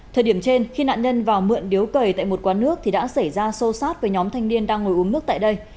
thời điểm trên khi nạn nhân vào mượn điếu cầy tại một quán nước thì đã xảy ra xô xát với nhóm thanh niên đang ngồi uống nước tại đây